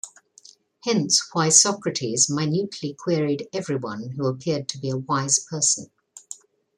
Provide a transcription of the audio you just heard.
Hence why Socrates minutely queried everyone who appeared to be a wise person.